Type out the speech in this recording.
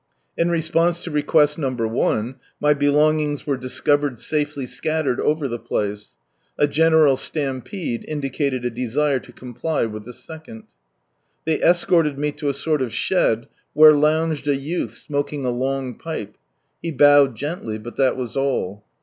in response to request number one, my belongings were discovered safely scattered over the place ; a general stampede indicated a desire to comply with the second. They escorted me lo a sort of shed where lounged a youth smoking a long pipe; he bowed gently, but that was all.